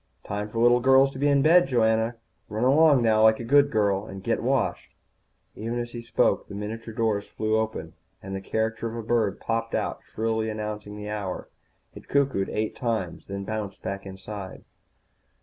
"Time for little girls to be in bed, Joanna. Run along now like a good girl, and get washed." Even as he spoke the miniature doors flew open and the caricature of a bird popped out, shrilly announcing the hour. It cuckooed eight times, then bounced back inside.